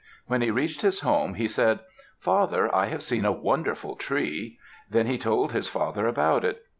When he reached his home he said, "Father, I have seen a wonderful tree." Then he told his father about it.